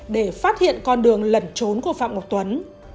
để phát hiện con đường lẩn trốn của phạm ngọc tuấn